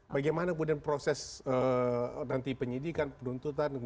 bagaimana kemudian proses nanti penyidikan penuntutan